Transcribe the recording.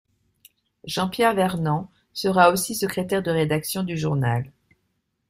Jean-Pierre Vernant sera aussi secrétaire de rédaction du journal.